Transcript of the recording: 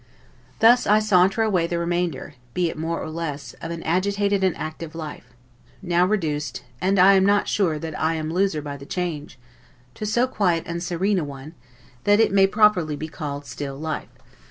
Thus I saunter away the remainder, be it more or less, of an agitated and active life, now reduced (and I am not sure that I am a loser by the change) to so quiet and serene a one, that it may properly be called still life.